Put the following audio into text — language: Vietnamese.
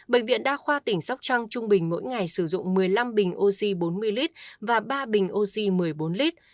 bệnh viện đa khoa tỉnh sóc trăng trung bình mỗi ngày sử dụng một mươi năm bình oxy bốn mươi lít và ba bình oxy một mươi bốn lít